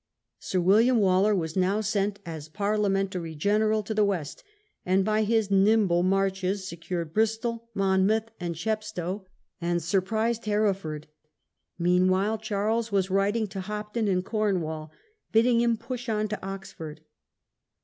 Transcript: Sir William Waller was now sent as Parliamentary general to the West, and by his "nimble marches" secured Bristol, Monmouth, and Chepstow, and surprised Hereford. Meanwhile, Charles was writing to Hopton in Cornwall, bidding him push on to Oxford.